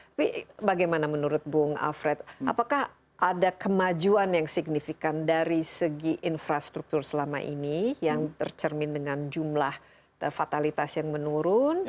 tapi bagaimana menurut bung alfred apakah ada kemajuan yang signifikan dari segi infrastruktur selama ini yang tercermin dengan jumlah fatalitas yang menurun